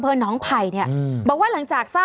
เบิร์ตลมเสียโอ้โห